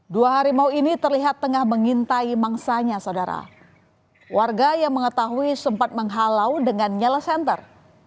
dua harimau ini terlihat tengah mengintai mangsanya saudara warga yang mengetahui sempat menghalau dengan nyala center